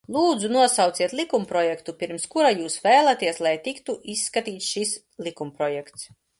Lūdzu, nosauciet likumprojektu, pirms kura jūs vēlaties, lai tiktu izskatīts šis likumprojekts!